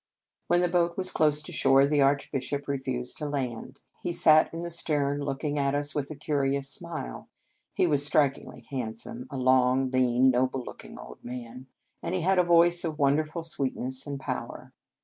When the boat was close to shore, the Archbishop refused to land. He sat in the stern, looking at us with a curious smile. He was strikingly handsome, a long, lean, noble look ing old man, and he had a voice of wonderful sweetness and power.